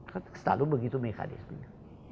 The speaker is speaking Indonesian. kan selalu begitu mekanisme